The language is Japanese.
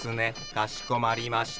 かしこまりました。